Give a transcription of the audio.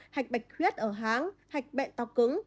hạch bạch khuyết ở háng hạch bẹn to cứng